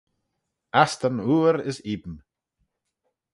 Astan oor as eeym.